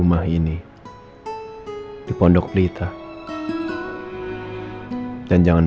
lebih lupa ikutin aming filmon dan nego yang lu erin